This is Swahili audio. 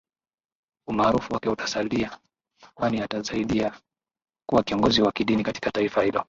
umaarufu wake utasalia kwani atazaidi kuwa kiongozi wa kidini katika taifa hilo